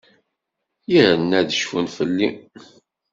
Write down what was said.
Yerna ad cfun fell-i.